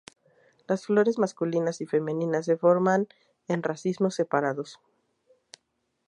Las flores masculinas y femeninas se forman en racimos separados.